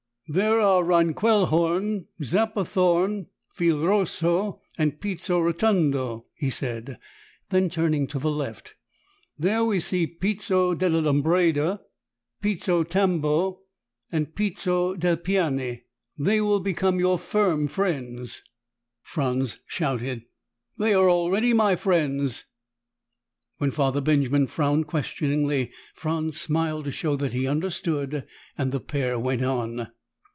"There are Rheinquellhorn, Zappothorn, Fil Rosso and Pizzo Rotondo," he said, then turned to the left. "There we see Pizzo della Lumbreda, Pizzo Tambo and Pizzo dei Piani. They will become your firm friends." Franz shouted, "They are already my friends." When Father Benjamin frowned questioningly, Franz smiled to show that he understood and the pair went on.